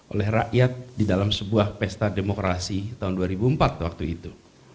oleh rakyat di dalam sebuah pesta demokrasi tahun dua ribu empat waktu itu